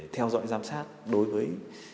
theo dõi giám sát đối với